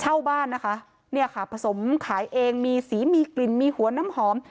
เช่าบ้านนะคะเนี่ยค่ะผสมขายเองมีสีมีกลิ่นมีหัวน้ำหอม